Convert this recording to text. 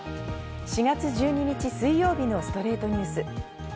４月１２日、水曜日の『ストレイトニュース』。